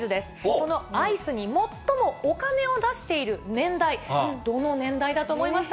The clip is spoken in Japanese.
そのアイスに最もお金を出している年代、どの年代だと思いますか？